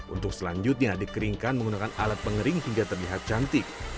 untuk selanjutnya dikeringkan menggunakan alat pengering hingga terlihat cantik